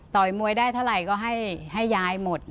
มวยได้เท่าไหร่ก็ให้ยายหมด